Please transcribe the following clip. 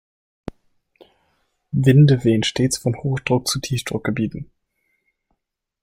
Winde wehen stets von Hochdruck- zu Tiefdruckgebieten.